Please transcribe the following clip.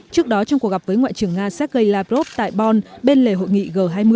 trước đó trong cuộc gặp với ngoại trưởng nga sergei lavrov tại bon bên lề hội nghị g hai mươi